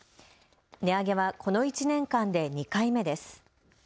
値上げはこの１年間で２回目です。